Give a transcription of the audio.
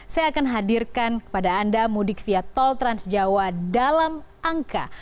saya akan hadirkan kepada anda mudik via tol trans jawa dalam angka